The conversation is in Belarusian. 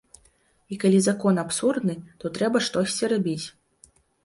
І калі закон абсурдны, то трэба штосьці рабіць.